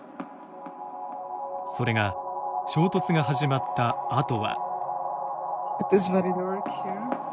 それが衝突が始まったあとは。